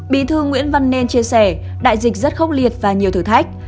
bí thư nguyễn văn nên chia sẻ đại dịch rất khốc liệt và nhiều thử thách